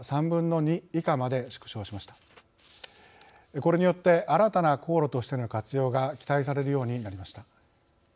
これによって新たな航路としての活用が期待されるようになりました。